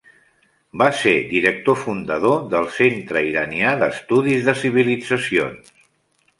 Va ser director fundador del Centre Iranià d'Estudis de Civilitzacions.